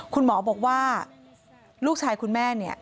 คุณหมอบอกว่าลูกชายคุณแม่เนี่ย